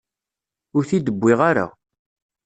Ur t-id-wwiɣ ara.